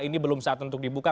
ini belum saat untuk dibuka